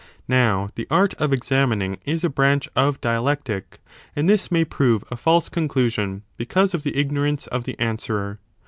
Now the art of examining is a branch of dialectic: and this may prove a false conclusion because of the ignorance of the answerer.